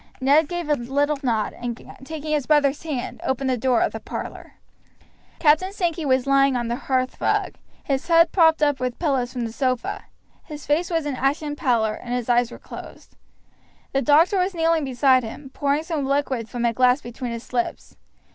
Ned gave a little nod, and, taking his brother's hand, opened the door of the parlor. Captain Sankey was lying on the hearth rug, his head propped up with pillows from the sofa; his face was an ashen pallor, and his eyes were closed. The doctor was kneeling beside him, pouring some liquid from a glass between his lips.